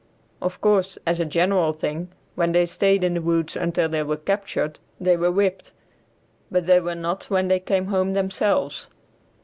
Of course, as a general thing, when they stayed in the woods until they were captured, they were whipped but they were not when they came home themselves.